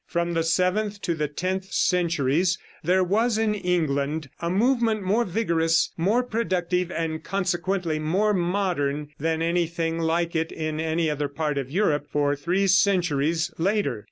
From the seventh to the tenth centuries there was in England a movement more vigorous, more productive and consequently more modern, than anything like it in any other part of Europe for three centuries later.